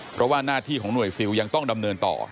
เพราะว่าหน้าที่ของหน่วยซิลยังต้องดำเนินต่อ